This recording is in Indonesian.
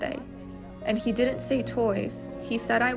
saya akan menghubungi dia